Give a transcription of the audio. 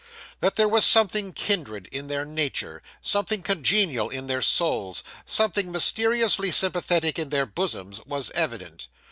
That there was something kindred in their nature, something congenial in their souls, something mysteriously sympathetic in their bosoms, was evident.